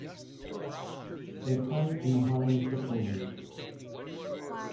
They play in the Highland Football League.